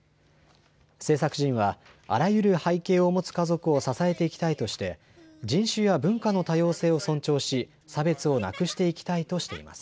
制作陣はあらゆる背景を持つ家族を支えていきたいとして人種や文化の多様性を尊重し、差別をなくしていきたいとしています。